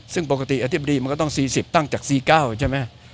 ซึ่งปกติอธิบดีมันก็ต้อง๔๐ตั้งจาก๔๙ใช่ไหม